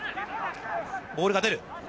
ボールが出る。